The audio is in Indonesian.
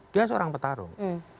dia seorang petarung